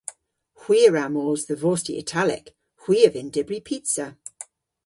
Hwi a wra mos dhe vosti italek. Hwi a vynn dybri pizza.